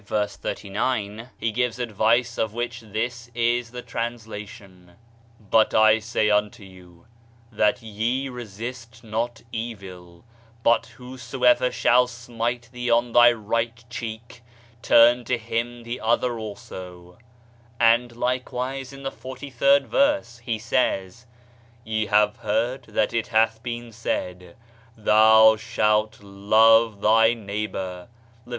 39, he gives advice of which this is the translation, "But I say unto you, That ye resist not evil; but whosoever shall smite thee on thy right cheek, turn to him the other also"; and likewise in the 43rd verse, He says, "Ye have heard that it hath been said, Thou shalt love thy neighbor (Lev.